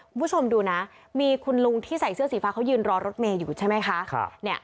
คุณผู้ชมดูนะมีคุณลุงที่ใส่เสื้อสีฟ้าเขายืนรอรถเมย์อยู่ใช่ไหมคะ